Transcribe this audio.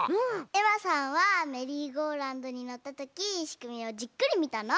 えまさんはメリーゴーラウンドにのったときしくみをじっくりみたの？